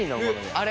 あれ。